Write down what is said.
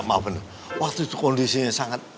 papa waktu itu jahat